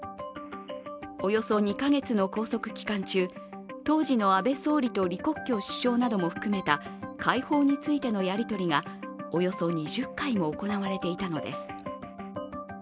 およそ２か月の拘束期間中当時の安倍総理と李克強首相なども含めた解放についてのやり取りがおよそ２０回も行われていたのです。